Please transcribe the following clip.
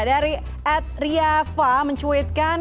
dari at riava mencuitkan